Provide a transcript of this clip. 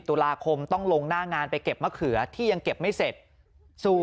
ตุลาคมต้องลงหน้างานไปเก็บมะเขือที่ยังเก็บไม่เสร็จสู่